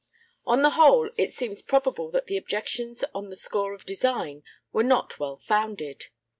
On the whole, it seems probable that the objections on the score of design were not well founded.